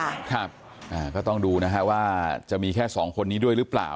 เราต้องดูนะว่ามีแค่๒คนนี้ด้วยหรือเปล่า